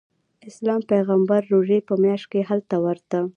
اسلام پیغمبر روژې په میاشت کې هلته ورته.